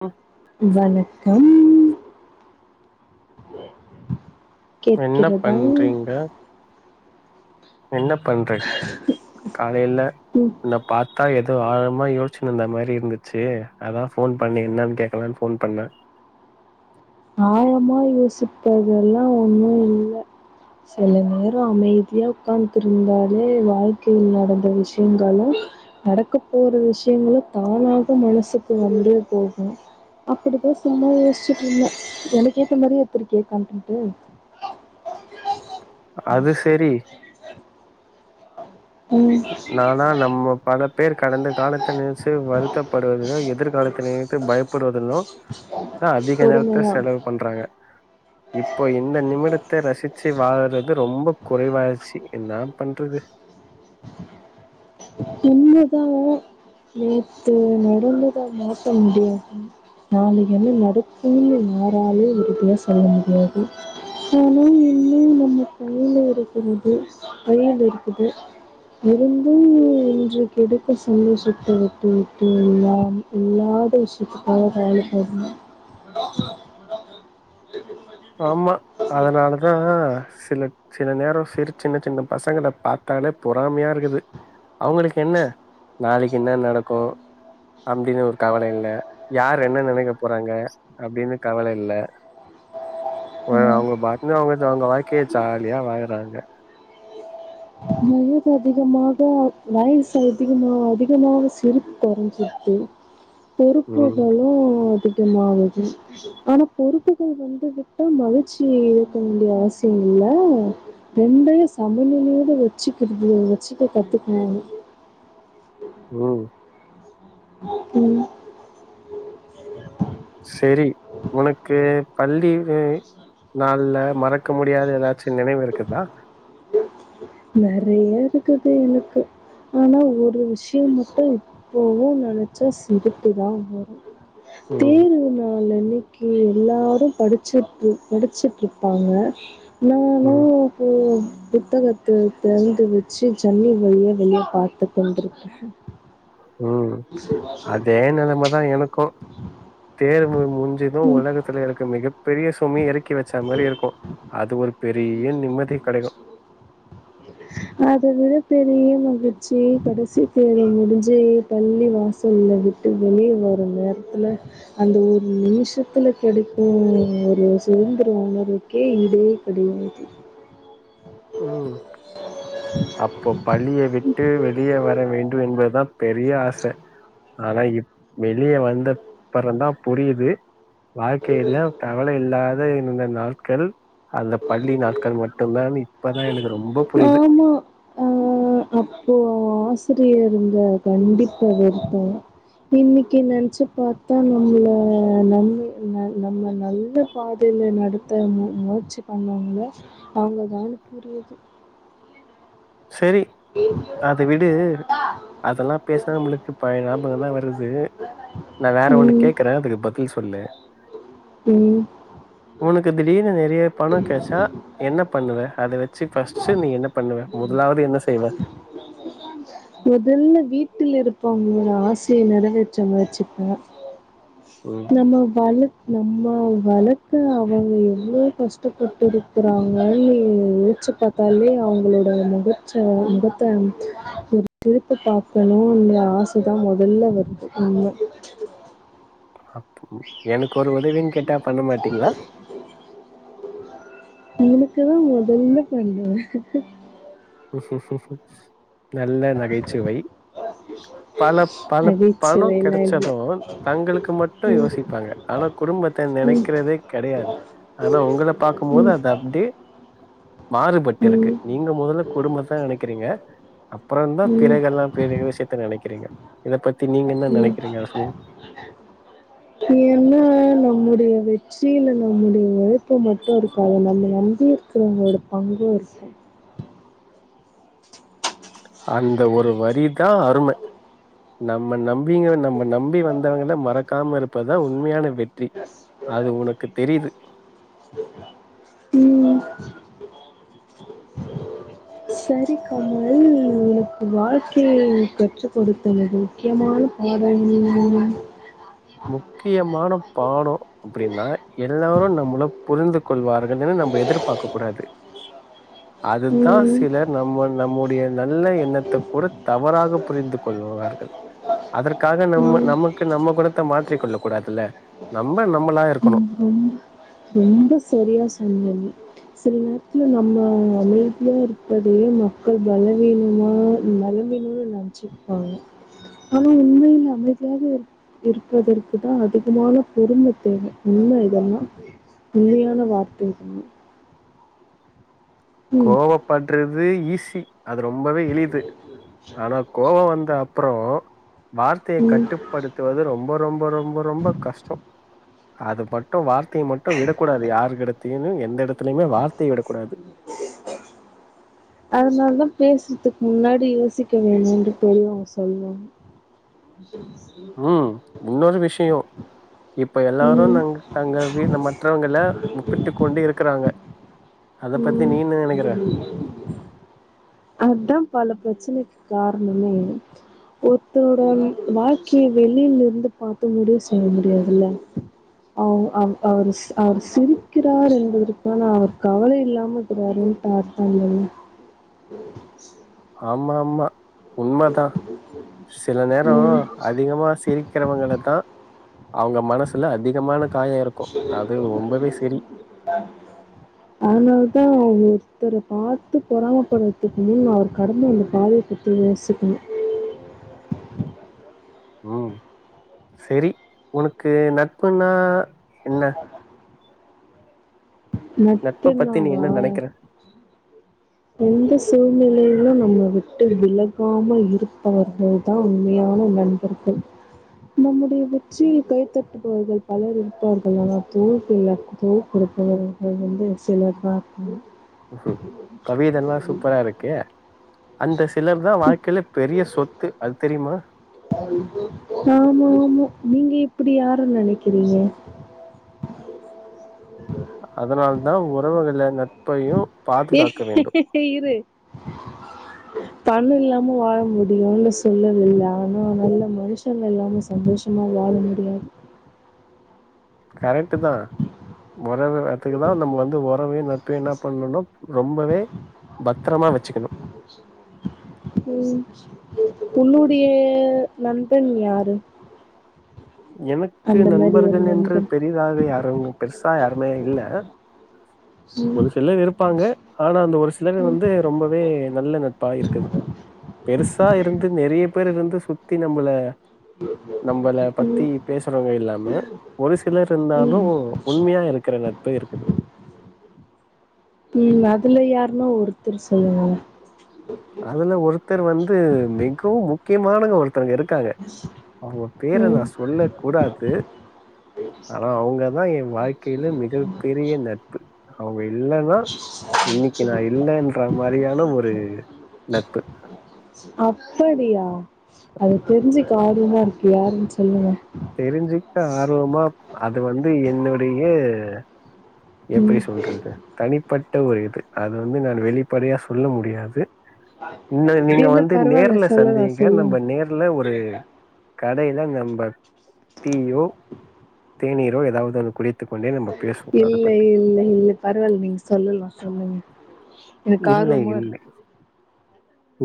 அ வணக்கம் என்ன கேட்கிறதா பண்றீங்க என்ன பண்றே காலையில என்னப் பாத்தா எதோ ஆழமா யோச்சுன்னு இருந்த மாதிரி இருந்துச்சு அத்தா ஃபோன் பண்ணி என்னன்னு கேட்கலான்னு ஃபோன் பண்ணே ஆழமா யோசிப்பதெல்லா ஒன்னும் இல்ல சில நேரம் அமைதியா உக்கார்ந்துருந்தாலே வாழ்க்கையில நடந்த விஷயங்களும் நடக்க போற விஷயங்களு தானாக மனசுக்குள் வந்தே போகு அப்டித்தா சும்மா யோசிச்சுட்டு இருந்தே எனக்கேக்கு மாரியே எடுத்ரிகியே கன்டன்ட்டு அது செரி ம் நாலா நம்ம பல பேர் கடந்த காலத்த நெனச்சி வருத்தப்படுவது எதிர்காலத்த நினைத்து பயப்படுவதிலு தா அதிக நேரத்த பொறுமையா செலவு பண்றாங்க இப்போ இந்த நிமிடத்த ரசிச்சு வாழ்ற து ரொம்ப குறைவாயிர்ச்சு என்ன தா பண்றது இன்ன தா நேத்து நடந்தத மாத்த முடியு ம் நாளைக்கென்ன நடக்கும்னு யாராலு உறுதியா சொல்ல முடியாது ஆனா இன்னு நம்ம கையில இருக்கிறது கையில இருக்குது இருந்து இன்று கிடைக்கு சந்தோஷத்த விட்டு விட்டு எல்லாம் இல்லாத விஷ் ஷத்துக்காக கவல படுறீ ஆமா அதனால தா சில சில நேரோ சிறு சின்ன சின்ன பசங்கள பாத்தாலே பொறாமையா இருக்குது அவுங்களுக்கு என்ன நாளைக்கு என்ன நடக்கு அப்டின்னு ஒரு கவல இல்ல யார் என்ன நெனைக்க போறாங்க அப்டின்னு கவல இல்ல அ அவுங்க பாட்டுனு அவுங்க ஜ அவுங்க வாழ்க்கைய ஜாலியா வாழுறாங்க வயது அதிகமாக வயசு அதிகமாக அதிகமாக சிரிப் கொறஞ்சிர்து ம் பொறுப்புகளு அதிகமாவுது ஆனா பொறுப்புகள் வந்து விட்டா மகிழ்ச்சி இழக்க வேண்டிய அவசியோ இல்ல ரெண்டையு சமமமோடு வெச்சிக்கறது வெச்சுக்க கத்துக்க நானு ம் ம் செரி உனக்கு பள்ளிலே நாள்ல மறக்க முடியாத எதாச்சு நினைவு இருக்குதா நெறைய இருக்குது எனக்கு ஆனா ஒரு விஷயம் மட்டு இப்பவு நெனச்சா சிரிப்பி தா வரு ம் தேர்வு நாள் அன்னைக் கி எல்லாரு படிச்சிட்டு படிச்சிட்ருப்பாங்க நானு ம் [unintelligible] புத்தகத்த திறந்து வெச்சு ஜன்னல் வழியா வெளிய பாத்து கொண்டு இருப்பே ம் அதே நிலமதா எனக்கு தேர்வு முஞ்சது உலகத் துல எனக்கு மிகப்பெரிய சுமைய எறக்கி வெச்சா மாரி இருக்கு அது ஒரு பெரிய நிம்மதி கெடைக்கு அத விட பெரிய மகிழ்ச்சி கடைசி தேர்வு முடிச்சி பள்ளி வாசல வி ட்டு வெளிய வர நேரத்தில அந்த ஒரு நிமிஷத்துல கெடைக்கு ஒரு சுதந்திர உணர்வு க்கே ஈடே கெடையாது ம் [unintelligible] அப்போ பள்ளிய விட்டு வெளிய வர வேண்டு என்பதா பெரிய ஆச ஆனா இப் வெளிய வந்தப்பறந்தா புரியிது வாழ்க்கையில கவல இல்லாத இருந்த நாட்கள் அந்த பள்ளி நாட்கள் மட்டுந்தானு இப்பதா எனக்கு ரொம்ப புரியுது ஆமா ஆ அப்போ ஆசிரியர் இருந்த கண்டிப்ப வெறுப்போ இன்னைக்கு நெனச்சி பத்தா நம்மளை நம் ந நம்ம நல்ல பாதையில நடத்த மு முயற்சி பண்ணவங்க அவங்கதானு புரியுது செரி அத விடு அதெல்லா பேசினா நம்மளுக்கு பழைய ஞாபகோதா வருது நா வேற ஒன்னு ம் கேக்கறே அதுக்கு பதில் சொல்லு ம் உனக்கு திடீர்னு நறைய பணோ கெடைச்சா என்ன பண்ணுவ அத வச்சு ஃபஸ்ட் நீ என்ன பண்ணுவ முதலாவது என்ன செய்வே முதல்ல வீட்டுல இருப்பவங்களோட ஆசைய நிறைவேற்ற முயற்சிப்பே ம் நம்ம வள நம்ம வளக்க அவங்க எவ்ளோ கஷ்டப்பட்டுரு க்கிறாங்கனு நெனச்சு பாத்தாலே அவங்களோட முகச்ச முகத்தை ஒரு சிரிப்ப பாக்கனுன்ற ஆசைதா முதல்ல வருது உண்ம இப்போ எனக்கு ஒரு உதவின்னு கேட்டா பண்ண மாட்டீங்களா [unintelligible] உனக்குதா முதல்ல பண்ணுவே நா நல்ல நகைச்சுவை பல பல பணம் நகைச்சுவைலா இல்ல கிடைச்சதும் தங்களுக்கு மட்டு யோசிப்பாங்க ஆனா குடும்பத்த நனைக்கிறதே கடையாது ஆனா உங்கள பாக்கும் போது ம் அது அப்டியே மாறுபட்டு இருக்கு ம் நீங்க முதல்ல குடும்பத்த நெனைக்கிறீங்க அப்றோந்தா ம் பிறகெல்லா பிறகு விஷயத்த நனைக்கிறீங்க இத பத்தி நீங்க என்ன ம் நனைக்கிறீங்க சொல்லுங்க [inaudible] ஏன்ன நம்முடைய வெற்றி இல்ல நம்முடைய உழைப்பு மட்டு இருக்காது நம்ம வந்து அடுத்தவங்களோட பங்கு இருக்கு அந்த ஒரு வரிதா அருமை நம்ம நம் பிங்கற நம்ம நம்பி வந்தவங்கள மறக்காம இருப்பதா உண்மையான வெற் [unintelligible] ம் [inaudible] சரி கமல் உனக்கு வாழ்க்கைய கற்று கொடுத்ததுல முக்கியமான பாடம் என்ன முக்கியமான பாடோ அப்டின்னா எல்லோரு நம்மள புரிந்து கொள்வார் கள்னு நம்ம எதிர்பாக்க கூடாது அதுதா உம் சிலர் நம் நம்முடைய நல்ல எண்ணத்த கூட தவறாக புரிந்து கொள்வார்கள் அதற்காக உம் நம்ம உம் நமக்கு நம்ம குணத் த மாற்றிகொள்ள கூடாது இல்ல நம்ம நம்மளா இருக்கனு ரொம்ப ரொம்ப சரி சொன்னிங்க சில நேரத்தில் நம்ம அமைதியா இருப்பதையே மக்கள் பலவீனமாக பலவீனம்னு நெனைச்சிப்பாங்க உண்மைலயே அமைதியாக இருப் இருப்பதற்குதா அதிகமான பொறுமை தேவை இன்னு இதெல்லா உண்மையான வார்த்தை இது ம். கோவப்பட்றது ஈசி அது ரொம்பவே எளிது ஆனா கோவ வந்தா அப்றோ வார்த்தைய கட்டுபடுத்துவது ரொம்ப ரொம்ப ரொம்ப ரொம்ப கஷ்ட்டோ அது மட்டு வார்த்தைய மட்டு விடக்கூடாது யாரு எடத்தைமே எந்த எடத்துலயுமே வார்த்தைய விடக்கூடாது தே அதனாலதா பேசுதுக்கு முன்னாடி யோசிக்க வேணுன்டு பெரியவங்க சொல்வாங்க ம் ம் இன்னொரு விஷய இப்ப எல்லாரு ம். நாங்க தங்க வீ மற்றவங்கள ஒப்பிட்டு கொண்டே இருக்றாங்க அத பத்தி ம். நீ என்ன நெனக்கிற அதா பல பிரச்சனைக்கு கார்ணமே ஒருத்தோட வாழ்க்கைய வெளியில இருந்து பாத்து முடிவு செய்ய முடியாதுல்ல அவ அவ் அவுரு சி அவுரு சிரிக்கிறாரு என்பதற்கான அவர் கவலை இல்லாம இது வரைலு பாத்தாங்க சே ஆமா ஆமா உண்ம தா சில நேர ம். அதிகமா சிரி க்கிறவங்கள தா அவங்க மனசுல அதிகமான காய இருக்கு அது ரொம்பவே சரி ஆ அதனால தா ஒருத்தர பாத்து பொறாமப்பட்றத்துக்கு முன் அவர் கடந்து வந்த பாதய பிரின்ஸுபலு ம் செரி ஒனக்கு நட்புனா என்ன நட்ப பத்தி நீ நட்பின்னாவா என்ன நெனைக்கிற எந்த சூழ்நிலையிலு என்ன விட்டு விலகாமல் இருப்பது பேர்தா உண்மையான நட் ப்பு நம்முடைய வெற்றி கைத்தட்டுபவர்கள் பலர் இருப்பார்கள் ஆனால் [unintelligible] குடுப்பார்கள் வந்து சிலர் தா அப்டி கவிதெல்லா சூப்ரா இருக்கே அந்த சிலர் தா வாழ்க்கைல பெரிய சொத்து அது தெரிமா ஆமா ஆமா நீங்க இப்டி யார நெனக்கிறீங்க அதனால தா உறவு இல்லேன ஏ இரு பண இல்லாம வாழ முடியுனு சொன்னது ஆனா நல்ல மனுஷங்க இல்லாம சந்தோஷமா வாழ முடியு கரெட்டு தா ஒறவு அதுக்கு தா நம்ம வந்து ஒறவு நட்பு என்னா பண்ணுனா ரொம்பவே பத்ரமா வச்சிக்கணு ம் உன்னுடைய நண்பன் யாரு எனக்கு அந்த மாதிரி ஒரு நண்பர்கள் என்று நண்பன் பெரிதாக யாரு பெருசா யாருமே இல்ல ஒரு சிலர் இருப்பாங்க ஆனா அந்த ஒரு சிலர் வந்து ரொம்பவே நல்ல நட்பா இருக்குது பெருசா இருந்து நெறைய பேர வந்து சுத்தி நம்மள ம் பத்தி பேசுறவங்க இல்லாம ஒரு சிலர் இருந்தாலு உண்மையா இருக்கிற நட்பு இருக்குது ம் அதுல யாருனா ஒருத்தர் சொல்லுங்க அதுல ஒருத்தர் வந்து மிகவு முக்கியமானங்க ஒருத் தங்க இருக்காங்க அவங்க பேர நா ம் சொல்ல கூடாது ஆனா அவுங்கதா என் வாழ்க்கையில மிகப் பெரிய நட் பு அவுங்க இல்லன்னா இன்னைக்கு நா இல்லன்ற மாறியான ஒரு நட்பு அப்படியா அத தெரிஞ்சுக்க ஆர்வமா இருக்கு யாருன்னு சொல்லுங்க தெரிஞ்சிக்க ஆர்வமா அது வந்து என்னுடைய எப்பிடி ம் சொல்லுறது தனிப்பட்ட ஒரு இது அது வந்து வெளிப்படையா சொல்ல முடியாது இன்ன நீங்க இல்ல வந்து பரவாயில்ல நேர்ல சொல்லலாம் சந்திங்க சொல்லுங்க நம்ம நேர்ல ஒரு கடையில நம்ப [inaudible] டீயோ தேநீரோ ஏதாவது ஒன்னு குடித் இல்ல இல்ல இல்ல பரவால்ல நீங்க சொல்லலா சொல்லுங்க எனக்கு இல்லை ஆர்வமா இல்லை இருக்கு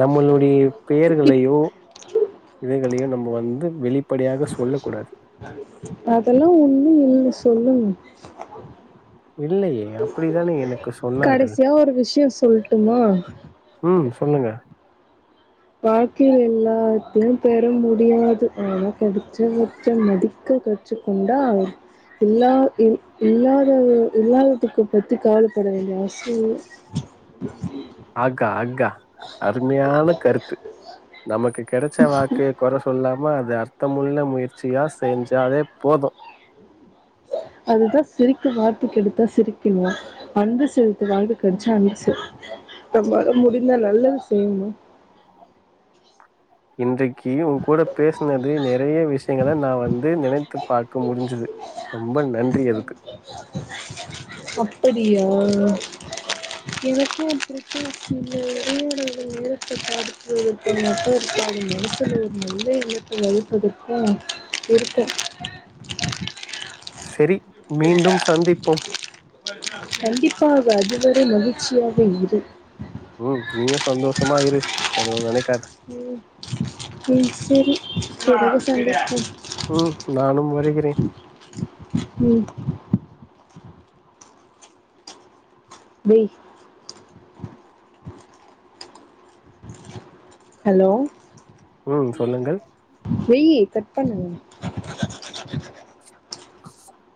நம்மளுடைய பெயர்களையோ இதுகளையோ நம்ம வந்து வெளிப் அதெல்லா ஒன்னும் இல்ல சொல்லுங்க இல்லையே அப்படிதானே எனக்கு சொன்னார்கள் கடைசியா ஒரு விஷயம் சொல்லட்டுமா ம் சொல்லுங்க வாழ்க்கையில எல்லாத்தையு பெற முடியாது ஆனா படிச்ச வச்ச மதிக்க கத் வச்சு கொண்டா இல்ல இல் இல்லாதத இல்லாததுக்கு பத்தி கவலைப்பட வேண்டிய அவசியம் [inaudible] ஆக்கா அக்ஹா அருமையான கருத்து நமக்கு கிடைச்ச வாழ்க்கைய குறை சொல்லாம அது அர்த்தமுள்ள முயற்சியா செஞ்சாவே போதும் அதுதா சிரிக்க [unintelligible] எடுத்தா சிரிக்கணு அன்பு செலுத்தி வாழு [unintelligible] நம்பளால முடிஞ்ச நல்லது செய்ணு இன்றைக்கு உன் கூட பேசினது நெறைய விஷயங்கள நா வந்து நெனை த்து பார்க்க முடிஞ்சது ரொம்ப நன்றி அதுக்கு அப்படியா எனக்கு அப்பிடிதா [unintelligible] [unintelligible] சேரி மீண்டும் சந்திப்போம் கண்டிப்பாக அதுவரை மகிழ்ச்சியாக இரு உம் நீயும் சந்தோஷமாயிரு எதும் நினைக்காத உம் ம் சேரி ஒருநாள் சந்திப்போ உம் நானும் வருகிறேன் உம் டே ஹலோ ம் சொல்லுங்கள் வெயி கட் பண்ணு